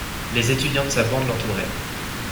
Les étudiants de sa bande l'entouraient.